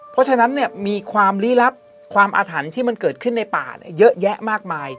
เพราะฉะนั้นมีความลี้ลับความอาถรรพ์ที่มันเกิดขึ้นในป่าเยอะแยะมากมาย